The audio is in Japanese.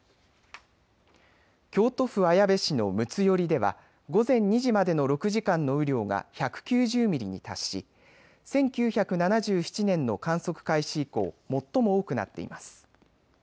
京都府綾部市の睦寄では午前２時までの６時間の雨量が１９０ミリに達し１９７７年の観測開始以降最も多くなっています。